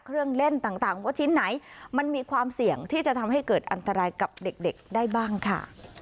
เครื่องเล่นต่างว่าชิ้นไหนมันมีความเสี่ยงที่จะทำให้เกิดอันตรายกับเด็กได้บ้างค่ะ